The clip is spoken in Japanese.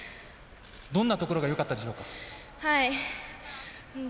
どんなところがよかったでしょうか？